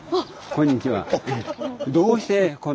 こんにちは。